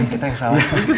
kita yang salah